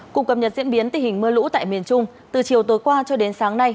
cục cập nhật diễn biến tình hình mưa lũ tại miền trung từ chiều tối qua cho đến sáng nay